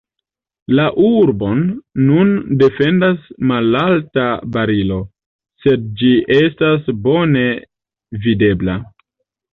La arbon nun defendas malalta barilo, sed ĝi estas bone videbla.